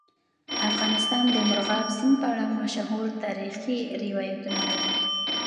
افغانستان د مورغاب سیند په اړه مشهور تاریخی روایتونه لري.